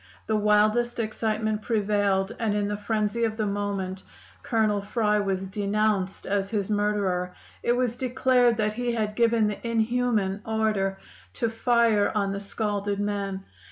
The wildest excitement prevailed, and in the frenzy of the moment Colonel Fry was denounced as his murderer; it was declared that he had given the inhuman order to fire on the scalded men.